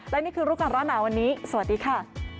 และนี่คือรู้ก่อนร้อนหนาวันนี้สวัสดีค่ะ